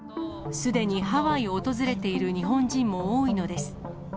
すでにハワイを訪れている日本人も多いのです。